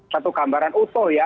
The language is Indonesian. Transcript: satu gambaran utuh ya